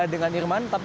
dengan pimpinan kpk